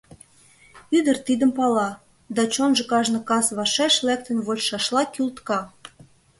Ӱдыр тидым пала, да чонжо кажне кас вашеш лектын вочшашла кӱлтка.